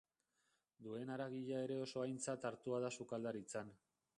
Duen haragia ere oso aintzat hartua da sukaldaritzan.